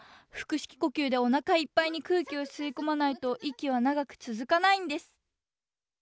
腹式呼吸でおなかいっぱいにくうきを吸いこまないと息はながく続かないんです。